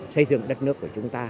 xây dựng đất nước của chúng ta